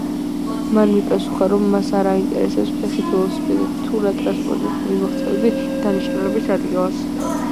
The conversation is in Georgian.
მან მიპასუხა, რომ მას არ აინტერესებს ფეხით, ველოსიპედით თუ რა ტრანსპორტით მივაღწევდი დანიშნულების ადგილს.